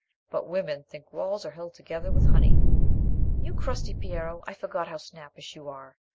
But women think walls are held together with honey." "You crusty Piero! I forgot how snappish you are.